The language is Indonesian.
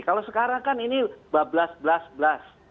kalau sekarang kan ini bablas blas blas